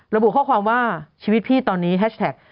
ระบุข้อความว่าชีวิตพี่ตอนนี้แฮชแท็ก